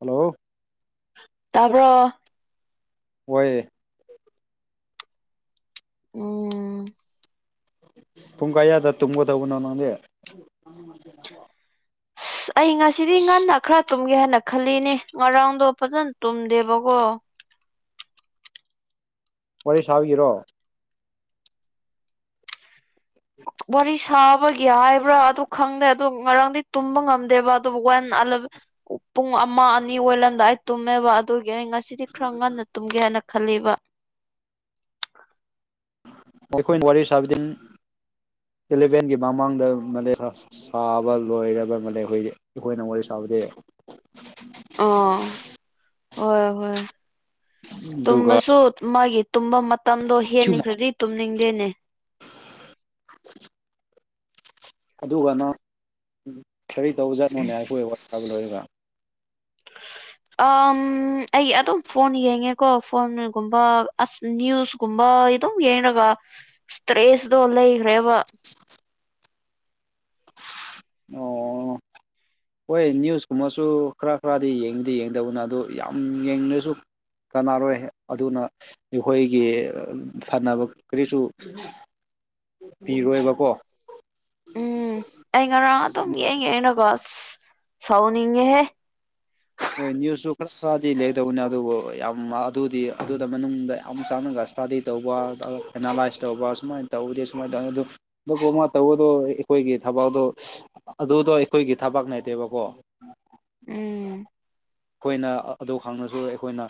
hello ꯇꯥꯕꯔꯣ ꯍꯣꯢ ꯎꯝ ꯄꯨꯡ ꯀꯌꯥꯗ ꯇꯨꯝꯒꯗꯅꯣ ꯅꯪꯗꯤ ꯎ ꯑ [unintelligible] ꯑꯁ ꯑꯩ ꯉꯁꯤꯗꯤ ꯉꯟꯅ ꯈꯔ ꯇꯨꯝꯒꯦ ꯍꯥꯏꯅ ꯈꯜꯂꯤꯅꯦ ꯉꯔꯥꯡꯗꯣ ꯐꯖꯅ ꯇꯨꯝꯗꯦꯕꯀꯣ ꯋꯥꯔꯤ ꯁꯥꯒꯤꯔꯣ ꯋꯥꯔꯤ ꯁꯥꯕꯒꯤ ꯍꯥꯏꯕ꯭ꯔꯥ ꯑꯗꯨ ꯈꯪꯗꯦ ꯑꯗꯨ ꯉꯔꯥꯡꯗꯤ ꯇꯨꯝꯕ ꯉꯝꯗꯦꯕ ꯑꯗꯨꯕꯨ ꯋꯥ ꯄꯨꯡ ꯑꯃ ꯑꯅꯤ ꯑꯣꯏꯂꯝꯗꯥꯏ ꯇꯨꯝꯃꯦꯕ ꯑꯗꯨꯒꯤ ꯑꯩ ꯉꯁꯤꯗꯤ ꯈꯔ ꯉꯟꯅ ꯇꯨꯝꯒꯦ ꯍꯥꯏꯅ ꯈꯜꯂꯦꯕ ꯑꯩꯈꯣꯏꯅ ꯋꯥꯔꯤ ꯁꯥꯕꯁꯤꯗꯤ ꯏꯂꯚꯦꯟꯒꯤ ꯃꯃꯥꯡꯗ ꯁꯥꯕ ꯂꯣꯏꯔꯕ ꯑꯃ ꯑꯩꯈꯣꯏꯗꯤ ꯑꯩꯈꯣꯏꯅ ꯋꯥꯔꯤ ꯁꯥꯕꯗꯤ ꯑꯣ ꯍꯣꯏ ꯍꯣꯏ ꯑꯗꯨꯒ ꯇꯨꯝꯃꯁꯨ ꯃꯥꯒꯤ ꯇꯨꯝꯕ ꯃꯇꯝꯗꯣ ꯍꯦꯟꯈ꯭ꯔꯗꯤ ꯇꯨꯝꯅꯤꯡꯗꯦꯅꯦ ꯑꯗꯨꯒ ꯅꯪ ꯀꯔꯤ ꯇꯧꯕ ꯖꯥꯠꯅꯣꯅꯦ ꯑꯩꯈꯣꯏ ꯋꯥꯔꯤ ꯁꯥꯕ ꯂꯣꯏꯔꯒ [unintelligible] ꯑ ꯑꯩ ꯑꯗꯨꯝ ꯐꯣꯟ ꯌꯦꯡꯉꯦꯀꯣ ꯐꯣꯟꯒꯨꯝꯕ ꯑꯁ ꯅ꯭ꯌꯨꯁ ꯀꯨꯝꯕ ꯑꯗꯨꯝ ꯌꯦꯡꯂꯒ ꯁ꯭꯭ꯔꯦꯁꯗꯣ ꯂꯩꯈꯔꯦꯕ [unintelligible] ꯑꯣ ꯍꯣꯏ ꯅꯌꯨꯁ ꯀꯨꯝꯕꯁꯨ ꯈꯔ ꯈꯔꯗꯤ ꯌꯦꯡꯗꯤ ꯌꯦꯡꯒꯗꯕꯅꯤ ꯑꯗꯨ ꯌꯥꯝ ꯌꯦꯡꯔꯁꯨ ꯀꯥꯟꯅꯥꯔꯣꯏ ꯑꯗꯨꯅ ꯑꯩꯈꯣꯏꯒꯤ ꯐꯅꯕ ꯀꯔꯤꯁꯨ ꯄꯤꯔꯣꯏꯕꯀꯣ ꯎꯝ ꯑꯩ ꯉꯔꯥꯡ ꯑꯗꯨꯝ ꯌꯦꯡ ꯌꯦꯡꯔꯒ ꯁ ꯁꯥꯎꯅꯤꯡꯉꯦꯍꯦ ꯍꯣꯏ ꯅꯤꯌꯨꯁꯁꯨ ꯈꯔ ꯁꯥꯥꯗꯤ ꯂꯩꯒꯗꯕꯅꯦ ꯑꯗꯨꯕꯨ ꯌꯥꯝ ꯑꯗꯨꯗꯤ ꯑꯗꯨꯗ ꯃꯅꯨꯡꯗ ꯌꯥꯝ ꯆꯪꯉꯥꯒ ꯏꯁꯇꯗꯤ ꯇꯧꯕ ꯑꯦꯅꯥꯂꯥꯏꯁ ꯇꯧꯕ ꯁꯨꯃꯥꯏꯅ ꯇꯧꯕꯗꯤ ꯁꯨꯃꯥꯏꯅ ꯇꯧꯅꯤ ꯑꯗꯨ ꯑꯗꯨꯕꯨ ꯃꯥ ꯇꯧꯕꯗꯣ ꯑꯩꯈꯣꯏꯒꯤ ꯊꯕꯛꯗꯣ ꯑꯗꯨꯗꯣ ꯑꯩꯈꯣꯏꯒꯤ ꯊꯕꯛ ꯅꯠꯇꯦꯕꯀꯣ ꯎꯝ ꯑꯩꯈꯣꯏꯅ ꯑꯗꯨ ꯍꯪꯂꯁꯨ ꯑꯩꯈꯣꯏꯅ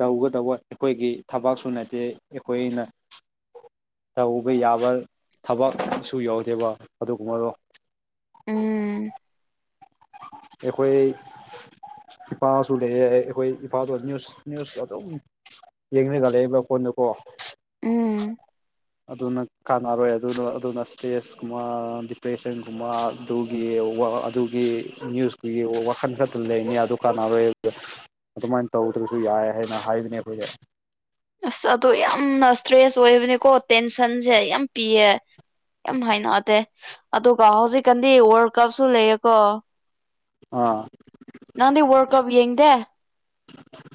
ꯇꯧꯒꯗꯧꯕ ꯑꯩꯈꯣꯏꯒꯤ ꯊꯕꯛꯁꯨ ꯅꯠꯇꯦ ꯑꯩꯈꯣꯏꯅ ꯇꯧꯕ ꯌꯥꯕ ꯊꯕꯛꯁꯨ ꯌꯥꯎꯗꯦꯕ ꯑꯗꯨꯒꯨꯝꯕꯗꯣ ꯎꯝ ꯑꯩꯈꯣꯏ ꯏꯄꯥꯁꯨ ꯂꯩꯑꯦ ꯑꯩ ꯑꯩꯈꯣꯏ ꯏꯄꯥꯗꯣ ꯅꯤꯌꯨꯁ ꯅꯤꯌꯨꯁ ꯑꯗꯨꯝ ꯌꯦꯡꯔꯒ ꯂꯩꯑꯦꯕ ꯐꯣꯟꯗꯀꯣ ꯎꯝ ꯑꯗꯨꯅ ꯀꯥꯟꯅꯔꯣꯏ ꯑꯗꯨꯅ ꯑꯗꯨꯅ ꯏꯁꯇ꯭ꯔꯦꯁꯀꯨꯝꯕ ꯗꯤꯄ꯭ꯔꯦꯁꯟꯒꯨꯝꯕ ꯑꯗꯨꯒꯤ ꯑꯗꯨꯒꯤ ꯅ꯭ꯌꯨꯁꯀꯤ ꯋꯥꯈꯜ ꯈꯛꯇꯪ ꯂꯩꯅꯤ ꯑꯗꯨ ꯀꯥꯟꯅꯔꯣꯏ ꯑꯗꯨꯃꯥꯏꯅ ꯇꯧꯗ꯭ꯔꯁꯨ ꯌꯥꯏ ꯍꯥꯏꯅ ꯍꯥꯏꯕꯅꯦ ꯑꯩꯈꯣꯏꯁꯦ ꯑꯁ ꯑꯗꯨꯗꯣ ꯌꯥꯝꯅ ꯏꯁꯇ꯭ꯔꯦꯁ ꯑꯣꯏꯕꯅꯦꯀꯣ ꯇꯦꯟꯁꯟꯁꯦ ꯌꯥꯝ ꯄꯤꯌꯦ ꯌꯥꯝ ꯍꯥꯏꯅꯗꯦ ꯑꯗꯨꯒ ꯍꯧꯖꯤꯛꯀꯥꯟꯗꯤ ꯋꯥꯔꯜ ꯀꯞꯁꯨ ꯂꯩꯌꯦꯀꯣ ꯑꯥ ꯅꯪꯗꯤ ꯋꯥꯔ ꯀꯞ ꯌꯦꯡꯗꯦ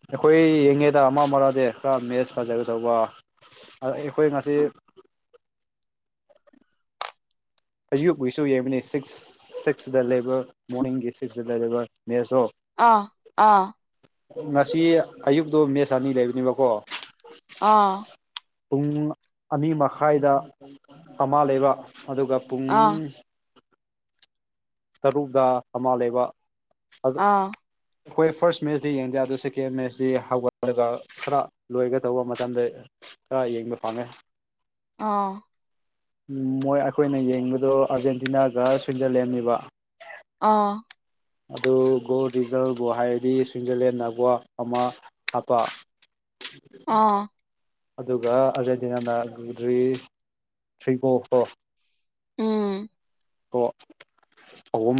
ꯑꯩꯈꯣꯏ ꯌꯦꯡꯉꯦꯗ ꯑꯃ ꯑꯃꯗꯤ ꯈꯔ ꯃꯦꯠꯁ ꯐꯖꯒꯗꯧꯕ ꯑ ꯑꯩꯈꯣꯏ ꯉꯁꯤ ꯑꯌꯨꯛꯒꯤꯁꯨ ꯌꯦꯡꯕꯅꯤ ꯁꯤꯛꯁ ꯁꯤꯛꯁꯇ ꯂꯩꯕ ꯃꯣꯔꯅꯤꯡꯒꯤ ꯁꯤꯛꯁꯇ ꯂꯩꯔꯤꯕ ꯃꯦꯠꯁꯗꯣ ꯑ ꯑꯥ ꯉꯁꯤ ꯑꯌꯨꯛꯇꯣ ꯃꯦꯠꯁ ꯑꯅꯤ ꯂꯩꯕꯅꯦꯕꯀꯣ ꯑꯥ ꯄꯨꯡ ꯑꯅꯤ ꯃꯈꯥꯏꯗ ꯑꯃ ꯂꯩꯕ ꯑꯗꯨꯒ ꯄꯨꯡ ꯑꯥ ꯇꯔꯨꯛꯛꯇ ꯑꯃꯥ ꯂꯩꯕ ꯑꯗꯨ ꯑꯩꯈꯣꯏ ꯐꯥꯔꯁ ꯃꯦꯠꯆꯗꯤ ꯌꯦꯡꯗꯦ ꯑꯗꯨ ꯁꯦꯀꯦꯟ ꯃꯦꯠꯁꯇꯤ ꯍꯧꯒꯠꯂꯒ ꯈꯔ ꯂꯣꯏꯒ ꯗꯧꯕ ꯃꯇꯝꯗ ꯈꯔ ꯌꯦꯡꯕ ꯐꯪꯉꯦ ꯑꯥꯎ ꯃꯣꯏ ꯑꯩꯈꯣꯏꯅ ꯌꯦꯡꯕꯗꯣ ꯑꯥꯔꯖꯦꯟꯇꯤꯅꯥꯒ ꯁ꯭ꯋꯤꯖꯔꯂꯦꯟꯅꯤꯕ ꯑꯥ ꯑꯗꯨ ꯒꯣꯜ ꯔꯤꯖꯜꯕꯨ ꯍꯥꯏꯔꯗꯤ ꯁ꯭ꯋꯤꯖꯔꯂꯦꯟꯅ ꯒꯣꯜ ꯑꯃ ꯍꯥꯞꯄ [unintelligible] ꯑꯥ ꯑꯗꯨꯒ ꯑꯔꯖꯦꯟꯇꯤꯅꯥꯅ ꯒꯨꯗ꯭ꯔꯤ ꯊ꯭ꯔꯤꯒꯣ ꯀꯣ ꯎꯝ ꯑꯣ ꯑꯍꯨꯝ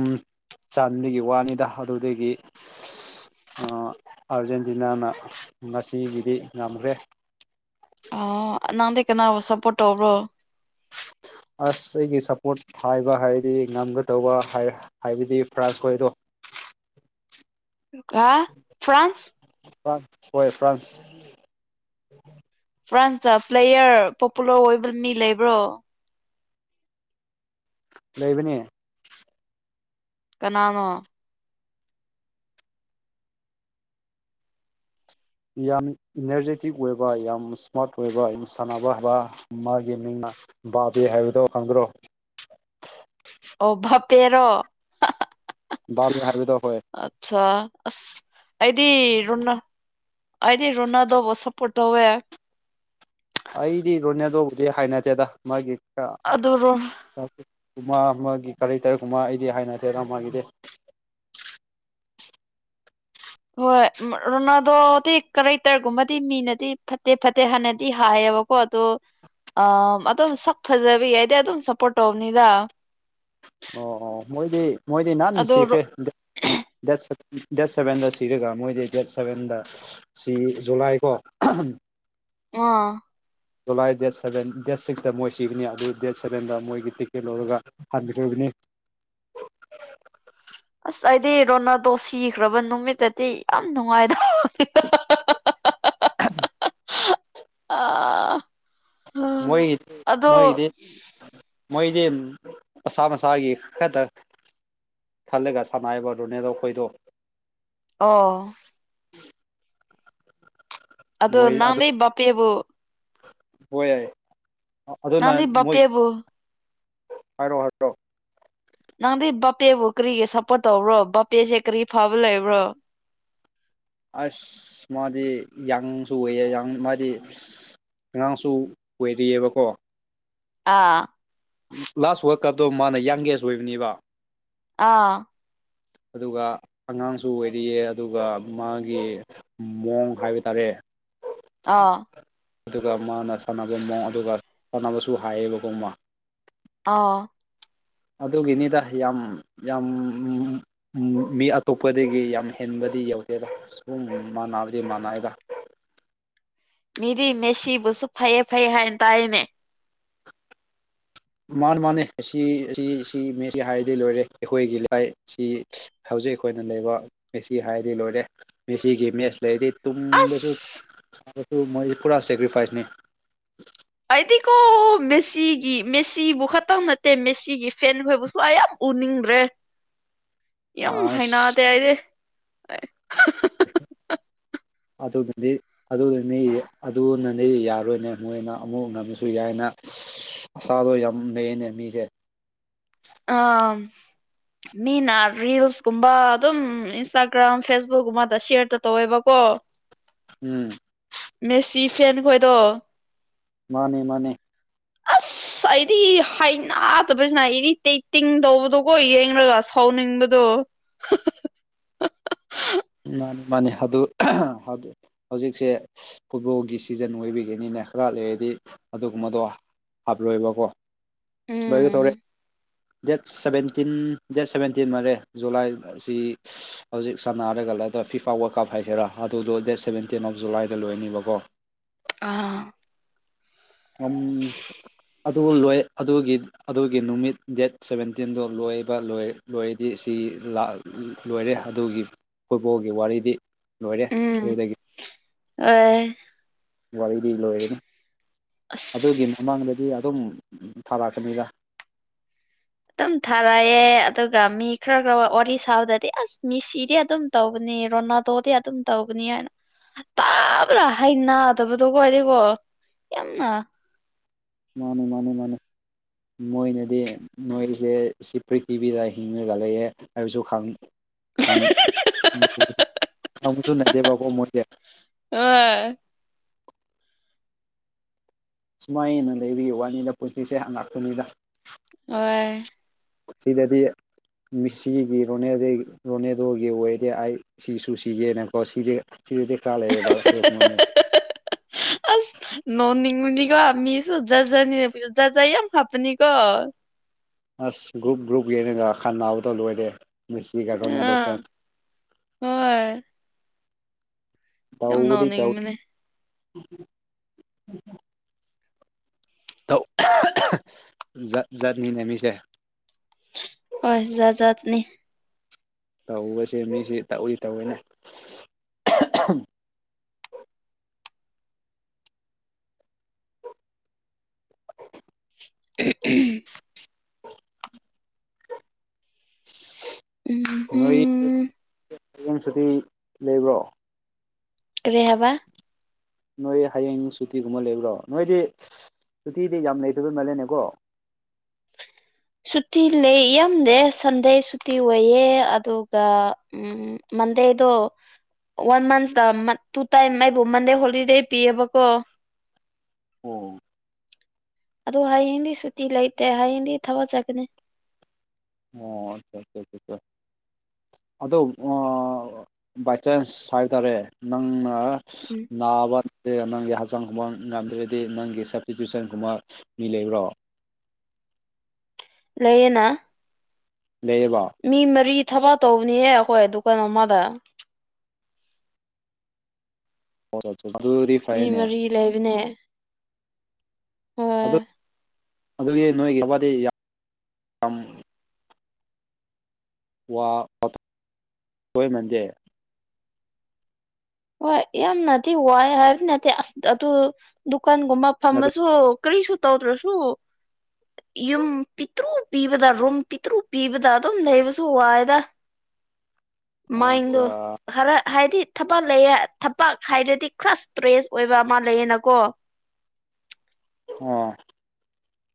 ꯆꯥꯟꯕꯒꯤ ꯋꯥꯅꯤꯗ ꯑꯗꯨꯗꯒꯤ ꯑꯥꯔꯖꯦꯟꯇꯤꯅꯥꯅ ꯉꯁꯤꯒꯤꯗꯤ ꯉꯝꯈ꯭ꯔꯦ ꯑ ꯅꯪꯗꯤꯩ ꯀꯅꯥꯕꯨꯕ ꯁꯞꯄꯣꯔꯠ ꯇꯧꯕ꯭ꯔꯣ ꯑꯁ ꯑꯩꯒꯤ ꯁꯞꯄꯣꯔꯠ ꯍꯥꯏꯕ ꯍꯥꯏꯔꯗꯤ ꯉꯝꯒꯗꯧꯕ ꯍꯥꯏ ꯍꯥꯏꯕꯗꯤ ꯐ꯭ꯔꯥꯁ ꯑꯣꯏꯔꯣ ꯀ ꯐ꯭ꯔꯥꯟꯁ ꯐ꯭ꯔꯥꯟ ꯍꯣꯏ ꯐ꯭ꯔꯥꯟꯁ ꯐ꯭ꯔꯥꯟꯁꯇ ꯄ꯭ꯂꯦꯌꯔ ꯄꯣꯄꯨꯂꯔ ꯑꯣꯏꯕ ꯃꯤ ꯂꯩꯕ꯭ꯔꯣ ꯂꯩꯕꯅꯦ ꯀꯅꯥꯅꯣ ꯌꯥꯝ ꯏꯅꯔꯖꯦꯇꯤꯛ ꯑꯣꯏꯕ ꯌꯥꯝ ꯏꯁꯃꯥꯔꯠ ꯑꯣꯏꯕ ꯌꯥꯝ ꯁꯥꯟꯅꯕ ꯍꯥꯏꯕ ꯃꯥꯒꯤ ꯃꯤꯡꯅ ꯕꯥꯕꯤꯦ ꯍꯥꯏꯕꯗꯣ ꯈꯪꯗ꯭ꯔꯣ ꯑꯣꯚ ꯄꯦꯔꯣ ꯍꯥꯏꯕꯗꯣ ꯍꯣꯏ ꯑꯆꯥ ꯑꯁ ꯑꯩꯗꯤ ꯔꯣꯅ ꯑꯩꯗꯤ ꯔꯣꯅꯥꯗꯣꯧꯕ ꯁꯄꯣꯔꯠ ꯇꯧꯋꯦ ꯑꯩꯗꯤ ꯔꯣꯅꯦꯗꯣꯕꯨꯗꯤ ꯍꯥꯏꯅꯗꯦꯗ ꯃꯥꯒꯤ ꯑꯗꯨꯔꯣ ꯀꯃꯥ ꯑꯃꯒꯤ ꯀꯔꯦꯛꯇꯔ ꯀꯃꯥ ꯑꯩꯗꯤ ꯍꯥꯏꯅꯗꯦꯅ ꯃꯥꯒꯤꯗꯤ ꯍꯣꯏ ꯔꯣꯅꯥꯗꯣꯗꯤ ꯀꯔꯩꯇꯔꯒꯨꯝꯕꯗꯤ ꯃꯤꯅꯗꯤ ꯐꯠꯇꯦ ꯐꯠꯇꯦ ꯍꯥꯟꯅꯗꯤ ꯍꯥꯏꯌꯦꯕꯀꯣ ꯑꯗꯣ ꯑ ꯑꯗꯨꯝ ꯁꯛ ꯐꯖꯕ ꯌꯥꯏꯗꯤ ꯑꯗꯨꯝ ꯁꯞꯄꯣꯔꯠ ꯇꯧꯕꯅꯤꯗ ꯑꯣ ꯑꯣ ꯃꯣꯏꯗꯤ ꯃꯣꯏꯗꯤ ꯅꯍꯥꯟ ꯅꯨꯡ ꯑꯗꯣ ꯁꯤꯈ꯭ꯔꯦ ꯠ ꯗꯠ ꯁꯕꯦꯟꯗ ꯁꯤꯔꯒꯝ ꯑꯣꯏꯗꯦ ꯠ ꯁꯕꯦꯟꯗ ꯁꯤ ꯖꯨꯂꯥꯏꯀꯣ ꯑ ꯖꯨꯂꯥꯏ ꯗꯦꯠ ꯁꯚꯦꯟ ꯗꯦꯠ ꯁꯤꯛꯁꯇ ꯃꯣꯏ ꯁꯤꯒꯅꯤ ꯑꯗꯨ ꯗꯦꯠ ꯁꯚꯦꯟꯗ ꯃꯣꯏꯒꯤ ꯇꯤꯛꯀꯦꯠ ꯂꯧꯔꯒ ꯊꯕꯤꯔ ꯑꯣꯏꯕꯅꯦ ꯑꯁ ꯑꯩꯗꯤ ꯔꯣꯅꯥꯗꯣ ꯁꯤꯈ꯭ꯔꯕ ꯅꯨꯃꯤꯠꯇꯗꯤ ꯌꯥꯝ ꯅꯨꯡꯉꯥꯏꯗ [unintelligible] [unintelligible] ꯑꯥ ꯃꯣꯏ ꯑꯗꯣ ꯃꯣꯏꯒꯤꯗꯤ ꯃꯣꯏꯗꯤ ꯃꯁꯥ ꯃꯁꯥꯒꯤ ꯈꯛꯇ ꯈꯜꯂꯒ ꯁꯥꯟꯅꯏꯔꯤꯕꯗꯨꯅꯦꯗꯣ ꯑꯩꯈꯣꯏꯗꯣ ꯑꯣ ꯑꯗꯨ ꯅꯪꯗꯤ ꯕꯥꯄꯦꯕꯨ ꯍꫭꯏ ꯑꯗꯨꯅ ꯅꯪꯗꯤ ꯃꯣꯏ ꯕꯥꯄꯦꯕꯨ ꯍꯥꯏꯔꯣ ꯍꯥꯏꯔꯣꯑꯣ ꯅꯪꯗꯤ ꯕꯄꯦꯕꯨ ꯀꯔꯤꯒꯤ ꯁꯞꯄꯣꯔꯠ ꯇꯧꯕ꯭ꯔꯣ ꯕꯥꯕꯄꯦꯁꯦ ꯀꯔꯤ ꯐꯕ ꯂꯩꯕ꯭ꯔꯣ ꯑꯁ ꯃꯥꯗꯤ ꯌꯥꯡꯁꯨ ꯑꯣꯏꯌꯦ ꯃꯥꯗꯤ ꯑꯉꯥꯡꯁꯨ ꯑꯣꯏꯔꯤꯑꯕꯀꯣ ꯑꯥ ꯂꯥꯁ ꯋꯥꯔꯜ ꯀꯞꯇꯣ ꯃꯥꯅ ꯌꯥꯪꯒꯦꯁ ꯑꯣꯏꯕꯅꯦꯕ ꯑꯥ ꯑꯗꯨꯒ ꯑꯉꯥꯡꯁꯨ ꯑꯣꯏꯔꯤꯌꯦ ꯑꯗꯨꯒ ꯃꯥꯒꯤ ꯃꯑꯣꯡ ꯍꯥꯏꯕ ꯇꯥꯔꯦ ꯑꯥ ꯑꯗꯨꯒ ꯃꯥꯅ ꯁꯥꯟꯅꯕ ꯃꯑꯣꯡ ꯑꯗꯨꯒ ꯁꯥꯟꯅꯕꯁꯨ ꯍꯥꯏꯌꯦꯕꯀꯣ ꯃꯥ ꯑꯥ ꯑꯗꯨꯒꯤꯅꯤꯗ ꯌꯥꯝ ꯌꯥꯝ ꯃꯤ ꯑꯇꯣꯞꯄꯗꯒꯤ ꯌꯥꯝ ꯍꯦꯟꯕꯗꯤ ꯌꯧꯗꯦꯕ ꯁꯨꯝ ꯃꯥꯟꯅꯕꯗꯤ ꯃꯥꯟꯅꯩꯗ ꯃꯤꯗꯤ ꯃꯦꯁꯤꯕꯨꯁꯨ ꯐꯩꯌꯦ ꯐꯩꯌꯦ ꯍꯥꯏꯅ ꯇꯥꯏꯅꯦ ꯃꯥꯅꯦ ꯃꯥꯅꯦ ꯑꯁꯤ ꯑꯁꯤ ꯁꯤ ꯍꯥꯏꯗꯤ ꯂꯣꯏꯔꯦ ꯑꯩꯈꯣꯏꯒꯤ ꯂꯥꯏ ꯁꯤ ꯍꯧꯖꯤꯛ ꯑꯩꯈꯣꯏꯅ ꯂꯩꯕ ꯃꯦꯁꯤ ꯍꯥꯏꯔꯗꯤ ꯂꯣꯏꯔꯦ ꯃꯦꯁꯤꯒꯤ ꯃꯦꯠꯁ ꯂꯩꯔꯗꯤ ꯇꯨꯡꯕꯁꯨ ꯑꯁ ꯆꯥꯕꯁꯨ ꯃꯣꯏꯁꯤ ꯄꯨꯔꯥ ꯁꯦꯀ꯭ꯔꯤꯐꯥꯏꯁꯅꯤ ꯑꯩꯗꯤꯀꯣ ꯃꯦꯁꯤꯒꯤ ꯃꯦꯁꯤꯕꯨ ꯈꯛꯇꯪ ꯅꯠꯇꯦ ꯃꯦꯁꯤꯒꯤ ꯐꯦꯟ ꯍꯣꯏꯕꯕꯨꯁꯨ ꯑꯌꯥꯝꯕ ꯎꯅꯤꯡꯗ꯭ꯔꯦ ꯌꯥꯝ ꯑꯁ ꯍꯅꯗꯦ ꯑꯩꯗꯤ [unintelligible] ꯑꯗꯨꯕꯨꯗꯤ ꯑꯗꯨꯅꯅꯤ ꯑꯗꯨꯅꯅꯤ ꯌꯥꯔꯣꯏꯅꯦ ꯃꯣꯏꯅ ꯑꯃꯨꯛ ꯅꯃꯁꯨ ꯌꯥꯏꯅ ꯑꯁꯥꯗꯣ ꯌꯥꯝ ꯂꯩꯌꯦꯅꯦ ꯃꯤꯗꯤ ꯑꯥ ꯃꯤꯅ ꯔꯤꯜꯁꯀꯨꯝꯕ ꯑꯗꯨꯝ ꯏꯟꯁꯇꯥꯒ꯭ꯔꯥꯝ ꯐꯦꯁꯕꯨꯛꯀꯨꯝꯕꯗ ꯁꯦꯌꯔꯗ ꯇꯧꯋꯦꯕꯀꯣ [inaudible] ꯎꯝ ꯃꯦꯁꯤ ꯐꯦꯟ ꯈꯣꯏꯗꯣ ꯃꯥꯅꯦ ꯃꯥꯅꯦ ꯑꯁ ꯑꯩꯗꯤ ꯍꯅꯥꯗꯕꯁꯤꯅ ꯑꯩꯗꯤ ꯇꯩ ꯇꯤꯡ ꯇꯧꯕꯗꯣꯒꯣ ꯌꯦꯡꯂꯒ ꯁꯧꯎꯅꯤꯡꯕꯗꯣ ꯃꯥꯅꯦ ꯃꯥꯅꯦ ꯑꯗꯨ ꯍꯧꯖꯤꯛꯁꯦ ꯐꯨꯠꯕꯣꯜꯒꯤ ꯁꯤꯖꯟ ꯑꯣꯏꯕꯤꯒꯅꯤꯅꯦ ꯈꯔ ꯂꯩꯔꯗꯤ ꯑꯗꯨꯒꯨꯝꯕꯗꯣ ꯍꯥꯞꯂꯣꯏꯕꯀꯣ ꯑꯗꯨꯒ ꯇꯧꯔꯦ ꯎꯝ ꯗꯦꯠ ꯁꯚꯦꯟꯇꯤꯟ ꯗꯦꯠ ꯁꯚꯦꯟꯇꯤꯟ ꯃꯥꯜꯂꯦ ꯖꯨꯂꯥꯏ ꯑꯁꯤ ꯍꯧꯖꯤꯛ ꯁꯥꯟꯅ ꯒꯂꯗ ꯐꯤꯐꯥ ꯋꯔ ꯀꯞ ꯍꯥꯏꯁꯤꯔꯥ ꯑꯗꯨꯗꯣ ꯗꯦꯠ ꯁꯕꯦꯟꯇꯤꯟ ꯑꯣꯐ ꯖꯨꯂꯥꯏꯗ ꯂꯣꯏꯅꯤꯕꯀꯣ ꯑꯥ ꯎꯝ ꯑꯗꯨ ꯂꯣꯏ ꯑꯗꯨꯒꯤ ꯑꯗꯨꯒꯤ ꯅꯨꯃꯤꯠ ꯗꯦꯠ ꯁꯕꯦꯟꯇꯤꯟꯗꯣ ꯂꯣꯏꯕ ꯂꯣꯏ ꯂꯣꯏꯔꯗꯤ ꯁꯤ ꯂꯥꯛ ꯂꯣꯏꯔꯦ ꯑꯗꯨꯒꯤ ꯐꯨꯠꯕꯣꯜꯒꯤ ꯋꯥꯔꯤꯗꯤ ꯂꯣꯏꯔꯦ ꯑꯗꯨꯗꯒꯤ [unintelligible] ꯋꯥꯔꯤꯗꯤ ꯂꯣꯏꯔꯅꯤ ꯑꯗꯨꯒꯤ ꯑꯁ ꯃꯃꯥꯡꯗꯗꯤ ꯑꯗꯨꯝ ꯊꯥꯔꯛꯀꯅꯤꯗ ꯑꯗꯨꯝ ꯊꯥꯔꯛꯑꯦ ꯑꯗꯨꯒ ꯃꯤ ꯈꯔ ꯋꯥꯔꯤ ꯁꯥꯕꯗꯗꯤ ꯑꯁ ꯃꯤ ꯁꯤꯗꯤ ꯑꯗꯨꯝ ꯇꯧꯕꯅꯤ ꯔꯣꯅꯥꯗꯣꯗꯤ ꯑꯗꯨꯝ ꯇꯧꯕꯅꯤ ꯍꯥꯏꯅ ꯇꯥꯕꯗꯥ ꯍꯩꯅꯗꯕꯗꯣꯀꯣ ꯑꫭꯏꯔ‌ꯦꯀꯣ ꯌꯥꯝꯅ ꯃꯥꯅꯦ ꯃꯥꯅꯦ ꯃꯥꯅ‌ꯦ ꯃꯣꯏꯅꯗꯤ ꯃꯣꯏꯁꯦ ꯁꯤ ꯄ꯭ꯔꯤꯊꯤꯕꯤꯗ ꯍꯤꯡꯉꯒ ꯂꯩꯑꯦ ꯍꯥꯏꯕꯁꯨ ꯈꯪ [unintelligible] ꯑ [unintelligible] ꯁꯨꯃꯥꯏ ꯍꯦꯟꯅ ꯂꯩꯔꯤ ꯋꯥꯅꯤꯗ ꯄꯨꯟꯁꯤꯁꯦ ꯑꯉꯥꯛꯄꯅꯤꯗ [unintelligible] ꯄꯨꯟꯁꯤꯗꯗꯤ ꯃꯤꯁꯤꯒꯤ ꯔꫭꯅ‌ꯦꯗ‌ꯦ ꯔꯣꯅꯦꯗꫭꯒꯤ ꯑꯣꯏꯔ ꯑꯩ ꯁꯤꯁꯨ ꯁꯤꯒꯦꯅꯀꯣ ꯁꯤ ꯁꯤꯔꯗꯤ ꯀꯥ ꯂꯩꯑꯦꯕꯕꯥ ꯃꯅꯤ [unintelligible] ꯑꯁ ꯅꯣꯛ ꯃꯨꯅꯤꯀꯣ ꯃꯤꯁꯨ ꯖꯥꯖꯥꯅꯤꯖꯖ [unintelligible] ꯌꯥꯝ ꯂꯥꯛꯄꯅꯤ ꯀꯣ ꯑꯁ ꯒ꯭ꯔꯨꯞ ꯒ꯭ꯔꯨꯞ ꯌꯦꯅꯒ ꯈꯥꯟ ꯅꯥꯕꯗ ꯂꯣꯏꯔꯦ ꯃꯤꯁꯤꯒ ꯔꫭꯅꯥꯜꯗꫭ ꯑꯥ ꯐ‌ꯦꯟ ꯍꯣꯏ ꯌꯥꯝ ꯇꯧꯕꯗꯤ ꯇꯧ ꯅꫭꯛꯅꯤꯡꯕꯅꯦ ꯇꯧ ꯖꯥꯠ ꯖꯥꯠꯅꯤꯅꯦ ꯃꯤꯁꯦ ꯍꯣꯏ ꯖꯥꯠ ꯖꯠꯅꯤ ꯇꯧꯕꯁꯦ ꯃꯤꯁꯤ ꯇꯧꯎꯏ ꯇꯧꯏꯅꯦ [unintelligible] [unintelligible] ꯅꯣꯏ ꯎꯝꯍꯨꯝ ꯍꯌ‌ꯦꯡ ꯁꯨꯇꯤ ꯂꯩꯕ꯭ꯔꯣ ꯀꯔꯤ ꯍꯥꯢꯕ ꯅꯣꯏ ꯍꯌꯦꯡ ꯁꯨꯇꯤꯒꯨꯝꯕ ꯂꯩꯕ꯭ꯔꯣ ꯅꯣꯏꯗꯤ ꯁꯨꯇꯤꯗꯤ ꯌꯥꯝ ꯂꯩꯇꯕ ꯃꯥꯜꯂꯦꯅꯦꯀꯣ ꯁꯨꯇꯤ ꯂꯩ ꯌꯥꯝꯗꯦ ꯁꯟꯗꯦ ꯁꯨꯇꯤ ꯑꯣꯏꯌꯦ ꯑꯗꯨꯒ ꯎꯝ ꯎꯝ ꯃꯟꯗꯦꯗꯣ ꯋꯥꯟ ꯃꯟꯁꯇ ꯇꯨ ꯇꯥꯏꯝ ꯑꯩꯕꯨ ꯃꯟꯗꯦ ꯍꯣꯂꯤꯗꯦ ꯄꯤꯌꯦꯕꯀꯣ ꯑꯣ ꯑꯗꯨ ꯍꯌꯦꯡꯗꯤ ꯁꯨꯇꯤ ꯂꯩꯇꯦ ꯍꯌꯦꯡꯗꯤ ꯊꯕꯛ ꯆꯠꯀꯅꯤ ꯍ [unintelligible] ꯑꯗꯣ ꯑꫭ ꯕꯥꯏ ꯆꯥꯟꯁ ꯍꯥꯏꯕꯇꯥꯔꯦ ꯅꯪꯅ ꯎꯝ ꯅꯥꯕ ꯅꯠꯇ [unintelligible] ꯅꯪꯒꯤ ꯍꯛꯆꯥꯡꯒꯨꯝꯕ ꯉꯝꯗ꯭ꯔꯗꯤ ꯅꯪꯒꯤ ꯁꯞꯁꯇꯤꯇ꯭ꯌꯨꯁꯟ ꯒꯨꯝꯕ ꯃꯤ ꯂꯩꯕ꯭ꯔꯣ ꯂꯩꯌꯦ ꯅꯥ ꯂꯩꯌꯦꯕꯥ ꯃꯤ ꯃꯔꯤ ꯊꯕꯛ ꯇꯧꯕꯅꯤꯍꯦ ꯑꯩꯈꯣꯏ ꯗꯨꯀꯥꯟ ꯑꯃꯗ ꯑꯗꯨꯗꯤ ꯃꯤ ꯐꯩꯌꯦꯅꯦ ꯃꯔꯤ ꯂꯩꯕꯅꯦ ꯑꯗꯨ ꯍꯣꯏ ꯑꯗꯨꯒꯤ ꯅꯣꯏ ꯌꯥ [unintelligible] ꯋꯥ ꯋꯥꯏꯅꯗꯦ ꯍꯣꯏ ꯌꯥꯝꯅꯗꯤ ꯋꯥꯏ ꯍꯥꯏꯕꯗꯤ ꯅꯠꯇꯦ ꯑꯁ ꯑꯗꯨ ꯗꯨꯀꯥꯟꯒꯨꯝꯕ ꯐꯝꯃꯁꯨ ꯀꯔꯤꯁꯨ ꯇꯧꯗ꯭ꯔꯁꯨ ꯌꯨꯝ ꯄꯤꯛꯇ꯭ꯔꯨ ꯄꯤꯕꯗ ꯔꯨꯝ ꯄꯤꯛꯇ꯭ꯔꯨ ꯄꯤꯕꯗ ꯑꯗꯨꯝ ꯂꯩꯕꯁꯨ ꯋꯥꯏꯗ ꯑꯣ ꯃꯥꯏꯟꯗꯣ ꯑꯠꯆꯥ ꯈꯔ ꯍꯥꯏꯗꯤ ꯊꯕꯛ ꯂꯩꯌꯦ ꯊꯕꯛ ꯍꯥꯏꯔꯗꯤ ꯈ꯭ꯔꯁ ꯏꯁꯇ꯭ꯔꯦꯁ ꯑꯣꯏꯕ ꯑꯃ ꯂꯩꯌꯦꯅꯀꯣ ꯎꯝ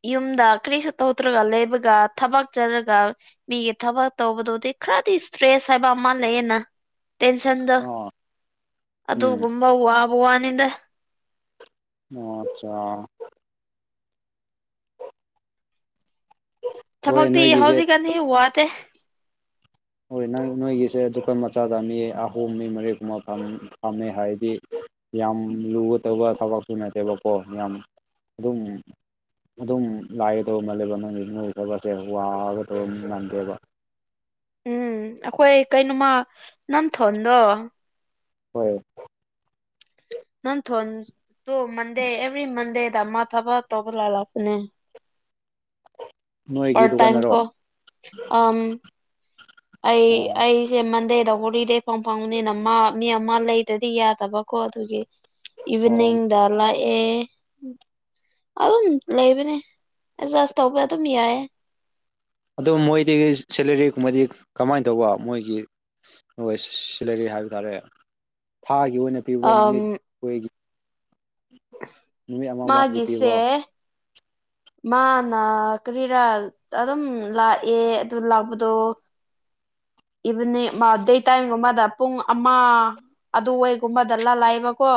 ꯌꯨꯝꯗ ꯀꯔꯤꯁꯨ ꯇꯧꯗ꯭ꯔꯒ ꯂꯩꯕꯒ ꯊꯕꯛ ꯆꯠꯂꯒ ꯃꯤꯒꯤ ꯊꯕꯛ ꯇꯧꯕꯗꯨꯗꯤ ꯈꯔꯗꯤ ꯏꯁꯇ꯭ꯔꯦꯁ ꯍꯥꯏꯕ ꯑꯃ ꯂꯩꯌꯦꯅ ꯇꯦꯟꯁꯟꯗꫭ ꯑꯣ ꯎꯝ ꯑꯗꯨꯒꯨꯝꯕ ꯋꯥꯕ ꯋꯥꯅꯤꯗ ꯑꯣ ꯑꯆꯥ ꯍꯣꯏ ꯊꯕꯛꯇꯤ ꯅꯣꯏꯒꯤꯁꯦ ꯍꯧꯖꯤꯛꯀꯥꯟꯅꯤ ꯋꯥꯗꯦ ꯍꯣꯏ ꯅꯪ ꯅꯣꯏꯒꯤꯁꯦ ꯗꯨꯀꯥꯟ ꯃꯆꯥꯗ ꯃꯤ ꯑꯍꯨꯝ ꯃꯤ ꯃꯔꯤꯒꯨꯝꯕ ꯐꯝ ꯐꯝꯃꯦ ꯍꯥꯏꯗꯤ ꯌꯥꯝ ꯂꯨꯕ ꯇꯧꯕ ꯊꯕꯛꯁꯨ ꯅꯠꯇꯦꯕꯀꯣ ꯌꯥꯝ ꯑꯗꯨꯝ ꯑꯗꯨꯝ ꯂꯥꯏꯒꯗꯧꯕ ꯃꯥꯜꯂꯦꯕ ꯅꯪꯒꯤ ꯅꯣꯢ ꯊꯕꯛꯁꯦ ꯋꯥꯒꯗꯧꯕ ꯃꯥꯟꯗꯦꯕ ꯎꯝ ꯑꯩꯈꯣꯏ ꯀꯩꯅꯣꯃ ꯅꯝꯊꯣꯟꯗꯣ ꯍꯣꯏ ꯅꯟꯊꯣꯟ ꯇꯣ ꯃꯟꯗꯦ ꯑꯦꯕ꯭ꯔꯤ ꯃꯟꯗꯦꯗ ꯃꯥ ꯊꯕꯛ ꯇꯧꯕ ꯂꯥꯜꯂꯛꯄꯅꯦ ꯅꯣꯏꯒꯤ ꯄꯔꯠ ꯇꯥꯏꯝ ꯗꯨꯀꯥꯟꯗꯔꯣ ꯀꯣ ꯑꯝ ꯑꯩ ꯑꯩ ꯁꯦ ꯃꯟꯗꯦꯗ ꯍꯣꯂꯤꯗꯦ ꯐꯪ ꯐꯥꯎꯅꯤꯅ ꯃꯥ ꯃꯤ ꯑꯃ ꯂꯩꯗ꯭ꯔꯗꯤ ꯌꯥꯗꯕꯀꯣ ꯑꯗꯨꯒꯤ ꯑꯣ ꯏꯚꯤꯅꯤꯡꯗ ꯂꯥꯛꯑꯦ ꯑꯗꯨꯝ ꯂꯩꯕꯅꯦ ꯑꯦꯗꯖꯁ ꯇꯧꯕ ꯑꯗꯨꯝ ꯌꯥꯏꯌꯦ ꯑꯗꯨ ꯃꯣꯏꯗꯒꯤ ꯁꯦꯂꯔꯤꯒꯨꯝꯕꯗꯤ ꯀꯃꯥꯏꯅ ꯇꯧꯕ ꯃꯣꯏꯒꯤ ꯍꯣꯏ ꯁꯤꯂꯔꯤ ꯍꯥꯏꯕ ꯇꯥꯔꯦ ꯊꯥꯒꯤ ꯑꯣꯏꯅ ꯄꯤꯕ꯭ꯔꯣ ꯑꯝ ꯅꯨꯃꯤꯠ ꯍꯣꯏꯒꯤ ꯅꯨꯃꯤꯠ ꯑꯃꯃꯒꯤ ꯃꯥꯒꯤꯁꯦ ꯄꯤꯕ꯭ꯔꯣ ꯃꯥꯅ ꯀꯔꯤꯔꯥ ꯑꯗꯨꯝ ꯂꯥꯛꯑꯦ ꯑꯗꯨ ꯂꯥꯛꯄꯗꯣ ꯏꯕꯅꯦ ꯃꯥ ꯑꯗꯦ ꯇꯥꯏꯝꯒꯨꯝꯃꯗ ꯄꯨꯡ ꯑꯃ ꯑꯗꯨꯋꯥꯏꯒꯨꯝꯕꯗ ꯂ ꯂꯥꯛꯑꯦꯕꯀꯣ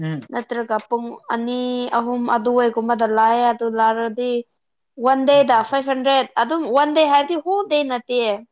ꯎꯝ ꯅꯠꯇ꯭ꯔꯒ ꯄꯨꯡ ꯑꯅꯤ ꯑꯍꯨꯝ ꯑꯗꯨꯋꯥꯏꯒꯨꯝꯕꯗ ꯂꯥꯛꯑꯦ ꯑꯗꯨ ꯂꯥꯛꯔꯗꯤ ꯋꯥꯟ ꯗꯦꯗ ꯐꯥꯏꯚ ꯍꯟꯗ꯭ꯔꯦꯠ ꯑꯗꯨꯝ ꯋꯥꯟ ꯗꯦ ꯍꯥꯏꯕꯗꯤ ꯍꯣꯜ ꯅꯠꯇꯦ